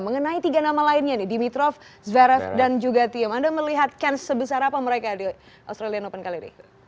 mengenai tiga nama lainnya nih dimitrov zverev dan juga thiem anda melihat ken sebesar apa mereka di australian open kali ini